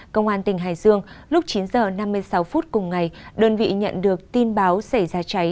công an tỉnh hải dương lúc chín h năm mươi sáu phút cùng ngày đơn vị nhận được tin báo xảy ra cháy